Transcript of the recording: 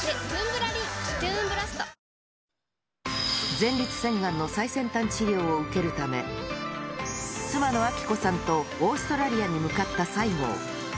前立腺がんの最先端治療を受けるため、妻の明子さんとオーストラリアに向かった西郷。